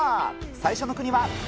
最初の国は。